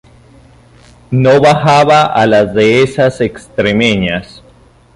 No bajaba a las dehesas extremeñas.